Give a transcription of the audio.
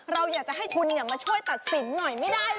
เราอยากจะให้คุณมาช่วยตัดสินหน่อยไม่ได้เลย